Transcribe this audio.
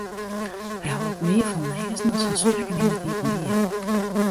Hy hâldt mear fan lêzen as fan sprekken yn it iepenbier.